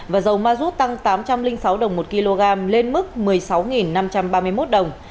và dầu ma rút tăng tám trăm linh sáu đồng một kg lên mức một mươi sáu năm trăm ba mươi một đồng